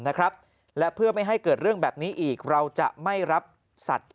นะครับและเพื่อไม่ให้เกิดเรื่องแบบนี้อีกเราจะไม่รับสัตว์